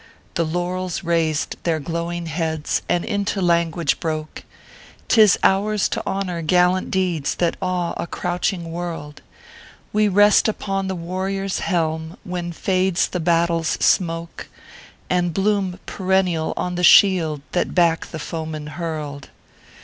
The Laurels raised their glowing heads, and into language broke :" Tis ours to honor gallant deeds that awe a crouching world; We rest upon the warrior s helm when fades the battle s smoke, And bloom perennial on the shield that back the foeman hurled."